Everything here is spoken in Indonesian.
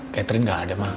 catherine gak ada ma